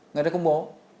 người ta công bố